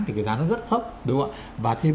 thì cái giá nó rất thấp đúng không ạ và thêm